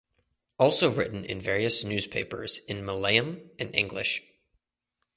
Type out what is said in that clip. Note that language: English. Also written in various newspapers in Malayalam and English.